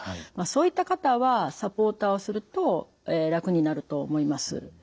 そういった方はサポーターをすると楽になると思います。